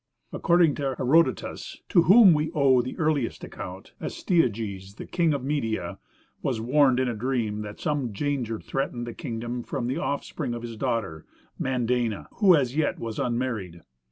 According to Herodotus, to whom we owe the earliest account, Astyages the King of Media was warned in a dream that some danger threatened the kingdom from the offspring of his daughter Mandane, who as yet was unmarried.